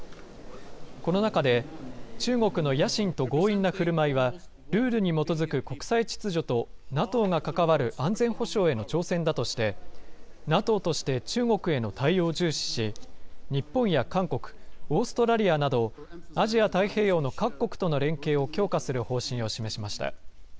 この中で、中国の野心と強引なふるまいは、ルールに基づく国際秩序とＮＡＴＯが関わる安全保障への挑戦だとして、ＮＡＴＯとして中国への対応を重視し、日本や韓国、オーストラリアなど、アジア太平洋の各国との連携を強化する方針を示しました。